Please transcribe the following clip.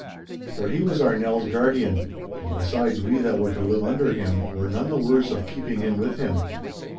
For he was our Nell's guardian, and besides we that were to live under him, were none the worse of keeping in with him.